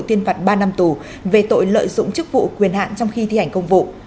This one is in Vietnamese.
tuyên phạt ba năm tù về tội lợi dụng chức vụ quyền hạn trong khi thi hành công vụ